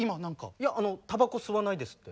いやたばこ吸わないですって。